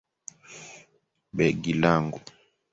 Begi langu.